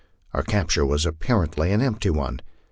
Our capture was apparently an empty one.